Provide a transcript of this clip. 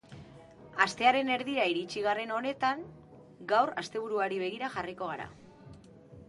Astearen erdira iritsi garen honetan, gaur asteburuari begira jarriko gara.